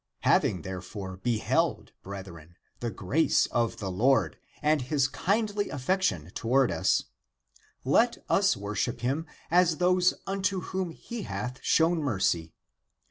Having therefore beheld, brethren, the grace of the Lord and his kindly affection toward us, let us worship him as those unto whom he hath shown mercy.